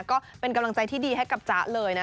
ก็เป็นกำลังใจที่ดีให้กับจ๊ะเลยนะ